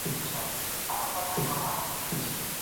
سیاسي بندیان په نړیوالو غونډو کي رسمي استازیتوب نه لري.